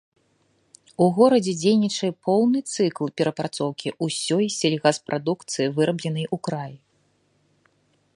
У горадзе дзейнічае поўны цыкл перапрацоўкі ўсёй сельгаспрадукцыі, вырабленай у краі.